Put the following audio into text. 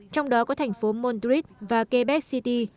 trong đó có thành phố madrid và quebec city